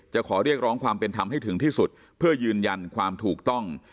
ขอเรียกร้องความเป็นธรรมให้ถึงที่สุดเพื่อยืนยันความถูกต้อง